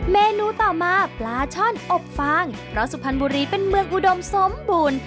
เมนูต่อมาปลาช่อนอบฟางเพราะสุพรรณบุรีเป็นเมืองอุดมสมบูรณ์